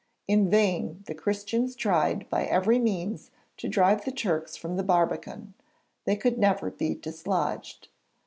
In vain the Christians tried by every means to drive the Turks from the barbican; they could never be dislodged.